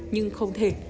nhưng không thể